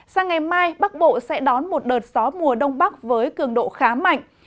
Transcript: sang ngày mai bắc bộ sẽ đón một đợt gió mùa đông bắc với cường độ khá mạnh